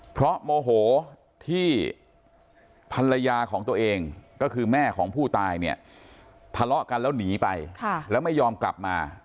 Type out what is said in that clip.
เพราะโมโหที่ภรรยาของตัวเองก็คือแม่ของผู้ตายเนี่ยทะเลาะกันแล้วหนีไปแล้วไม่ยอมกลับมา